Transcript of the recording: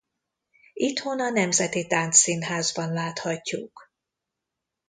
Itthon a Nemzeti Táncszínházban láthatjuk.